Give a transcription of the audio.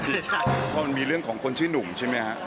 เพราะมันมีเรื่องของคนชื่อหนุ่มใช่ไหมฮะ